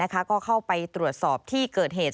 ก็เข้าไปตรวจสอบที่เกิดเหตุ